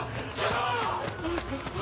ああ！